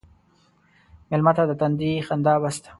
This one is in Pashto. مېلمه ته د تندي خندا بس ده.